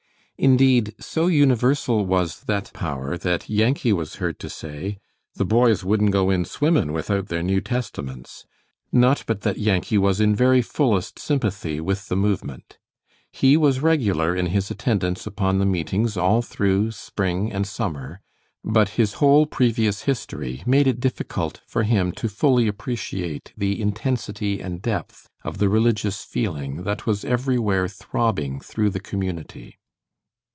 Indeed, so universal was that power that Yankee was heard to say, "The boys wouldn't go in swimmin' without their New Testaments" not but that Yankee was in very fullest sympathy with the movement. He was regular in his attendance upon the meetings all through spring and summer, but his whole previous history made it difficult for him to fully appreciate the intensity and depth of the religious feeling that was everywhere throbbing through the community.